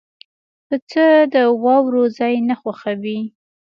پسه د واورو ځای نه خوښوي.